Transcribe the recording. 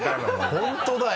本当だよ。